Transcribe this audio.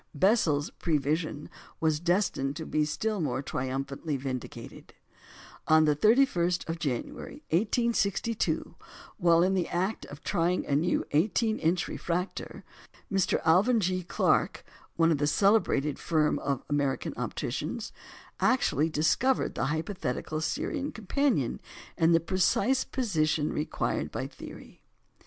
Bessel's prevision was destined to be still more triumphantly vindicated. On the 31st of January, 1862, while in the act of trying a new 18 inch refractor, Mr. Alvan G. Clark (one of the celebrated firm of American opticians) actually discovered the hypothetical Sirian companion in the precise position required by theory.